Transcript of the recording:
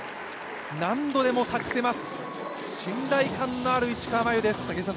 何度でも託せます、信頼感のある石川真佑です。